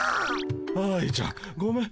愛ちゃんごめん。